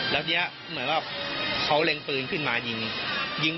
แล้วเดี๋ยวเหมือนว่าเค้าเร่งปืนขึ้นมายิง